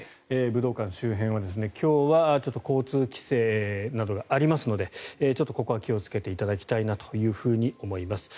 武道館周辺は今日は交通規制などがありますのでちょっとここは気をつけていただきたいなと思います。